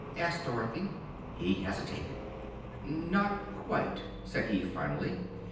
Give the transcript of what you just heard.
asked Dorothy. He hesitated. "Not quite," said he, finally.